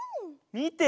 みて！